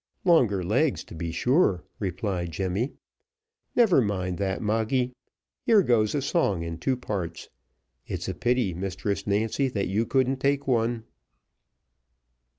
"Longer legs, to be sure," replied Jemmy. "Never mind that, Moggy. Here goes, a song in two parts. It's a pity, Mistress Nancy, that you couldn't take one."